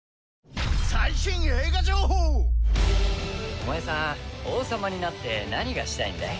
お前さん王様になって何がしたいんだい？